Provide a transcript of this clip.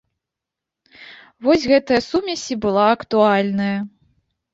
Вось гэтая сумесь і была актуальная.